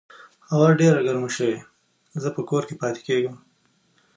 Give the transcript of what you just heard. هوا ډېره ګرمه شوې، زه په کور کې پاتې کیږم